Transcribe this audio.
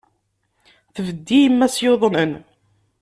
Tbedd i yemma-s yuḍnen.